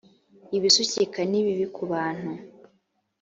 ibisukika nibibi kubantu